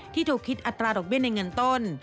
ที่ถูกคิดอัตราดอกเบี้ยในเงินต้น